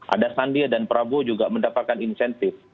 ada sandi dan prabowo juga mendapatkan insentif